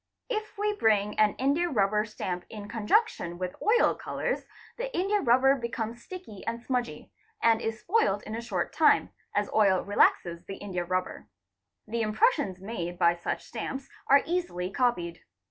If we bring an india rubber ) recht Ap aa CEA Be ABA LB EIR D CLEA SOMES SS PO 'stamp in conjunction with oil colours, the india rubber becomes sticky and smudgy, and is spoilt in a short time, as oil relaxes the india rubber. The impressions made by such stamps are easily copied.